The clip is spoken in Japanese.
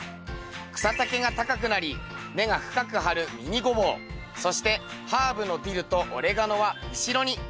草丈が高くなり根が深く張るミニゴボウそしてハーブのディルとオレガノは後ろに。